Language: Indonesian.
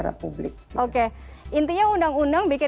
bapak tak di dan llamara